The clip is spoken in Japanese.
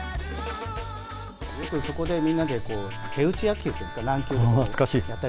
そこでよくみんなで手打ち野球っていうんですか、懐かしい。